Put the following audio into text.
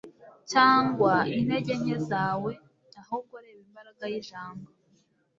cyangwa intege nke zawe, ahubwo reba imbaraga y'ijambo